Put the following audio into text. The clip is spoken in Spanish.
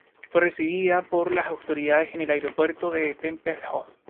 Fue recibida por las autoridades en el Aeropuerto de Tempelhof.